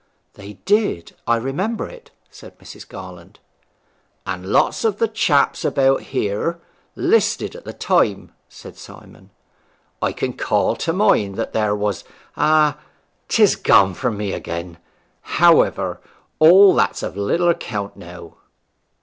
'They did. I remember it,' said Mrs. Garland. 'And lots of the chaps about here 'listed at the time,' said Simon. 'I can call to mind that there was ah, 'tis gone from me again! However, all that's of little account now.'